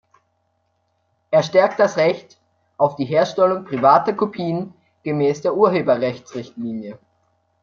Er stärkt das Recht auf die Herstellung privater Kopien gemäß der Urheberrechtsrichtlinie.